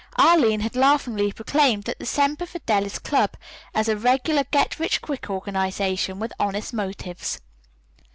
Arline had laughingly proclaimed the Semper Fidelis Club as a regular get rich quick organization with honest motives.